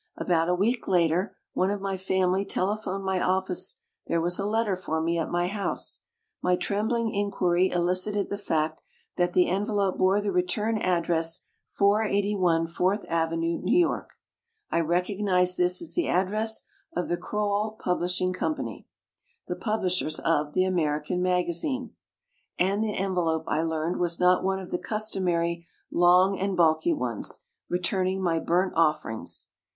About a week later, one of my family tele phoned my office there was a letter for me at my house. My trembling inquiry elicited the fact that the envelope bore the return ad dress, 481 Fourth Avenue, New York. I rec ognized this as the address of the Crowell Pub lishing Company, the publishers of "The Amer ican Magazine". And the envelope, I learned, was not one of the customary long and bulky ones, returning my burnt offerings.